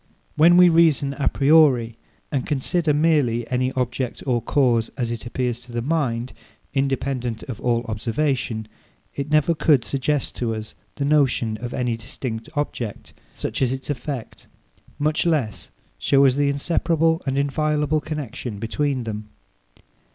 When we reason a priori, and consider merely any object or cause, as it appears to the mind, independent of all observation, it never could suggest to us the notion of any distinct object, such as its effect; much less, show us the inseparable and inviolable connexion between them.